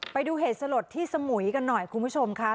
ไปดูเหตุสลดที่สมุยกันหน่อยคุณผู้ชมค่ะ